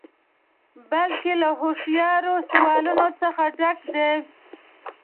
بلکې له هوښیارو سوالونو څخه ډک دی.